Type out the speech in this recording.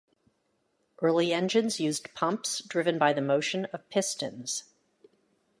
Early engines used pumps driven by the motion of the pistons.